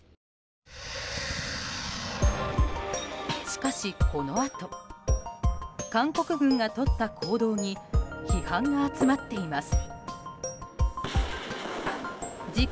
しかし、このあと韓国軍がとった行動に批判が集まっています。